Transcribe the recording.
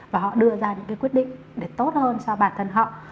và họ đưa ra những cái quyết định để tốt hơn cho bản thân họ